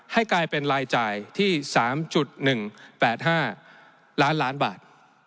ให้กลายเป็นรายจ่ายที่๓๑๘๕ล้านล้านบาท